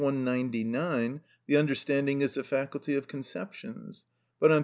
199, the understanding is the faculty of conceptions; but on p.